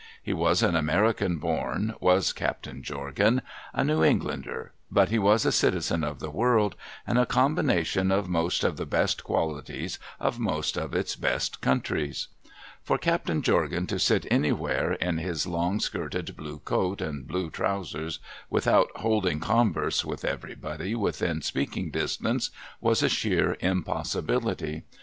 He was an American born, was Captain Jorgan, — a New Englander, — but he was a citizen of the world, and a coml)ination of most of the best qualities of most of its best countries. For Captain Jorgan to sit anywhere in his long skirted blue coat and blue trousers, without holding converse with everybody within speaking distance, was a sheer impossibility.